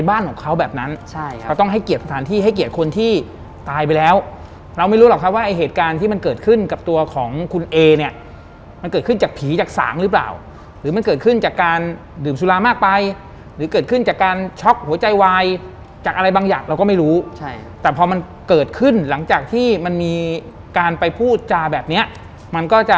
บ้านของเขาแบบนั้นใช่ครับเขาต้องให้เกียรติสถานที่ให้เกียรติคนที่ตายไปแล้วเราไม่รู้หรอกครับว่าไอ้เหตุการณ์ที่มันเกิดขึ้นกับตัวของคุณเอเนี่ยมันเกิดขึ้นจากผีจากสางหรือเปล่าหรือมันเกิดขึ้นจากการดื่มสุรามากไปหรือเกิดขึ้นจากการช็อกหัวใจวายจากอะไรบางอย่างเราก็ไม่รู้ใช่แต่พอมันเกิดขึ้นหลังจากที่มันมีการไปพูดจาแบบเนี้ยมันก็จะ